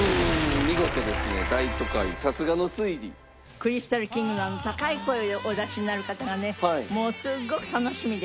クリスタルキングのあの高い声をお出しになる方がねもうすっごく楽しみで。